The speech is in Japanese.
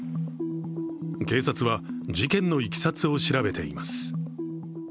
警察は、事件のいきさつを調べています。